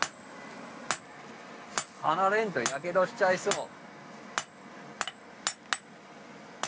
離れんとやけどしちゃいそう。